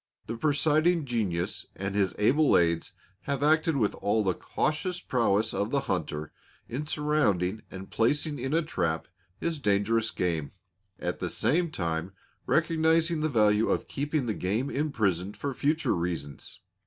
The presiding genius and his able aids have acted with all the cautious prowess of the hunter in surrounding and placing in a trap his dangerous game, at the same time recognizing the value of keeping the game imprisoned for future reasons.